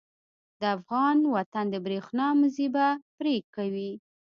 د افغان وطن د برېښنا مزی به پرې کوي.